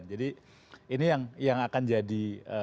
jadi ini yang akan jadi